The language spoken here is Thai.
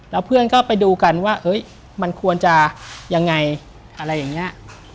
แล้วเพื่อนก็ไปดูกันว่าเฮ้ยมันควรจะยังไงอะไรอย่างนี้